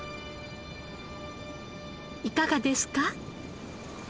いかがですか？